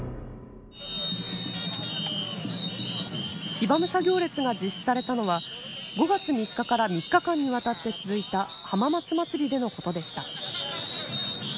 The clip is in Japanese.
騎馬武者行列が実施されたのは５月３日から３日間にわたって続いた浜松まつりでのことでした。